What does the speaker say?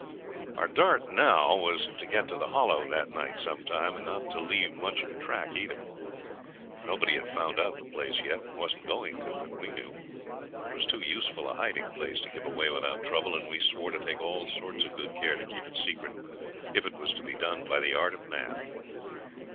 Our dart now was to get to the Hollow that night some time, and not to leave much of a track either. Nobody had found out the place yet, and wasn't going to if we knew. It was too useful a hiding place to give away without trouble, and we swore to take all sorts of good care to keep it secret, if it was to be done by the art of man.